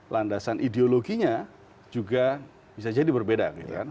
landasan ideologinya juga bisa jadi berbeda